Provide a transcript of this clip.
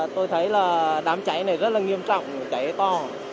tôi thấy là đám cháy này rất là nghiêm trọng cháy to